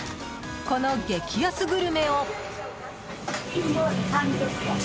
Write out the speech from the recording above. この激安グルメを。